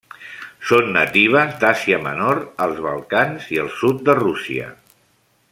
Són natives d'Àsia Menor, els Balcans i el sud de Rússia.